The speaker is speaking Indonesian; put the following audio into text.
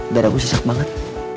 darahku sesak banget